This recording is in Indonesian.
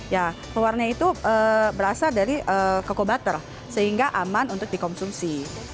ya warnanya itu berasal dari coco butter sehingga aman untuk dikonsumsi